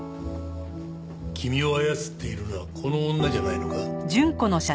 君を操っているのはこの女じゃないのか？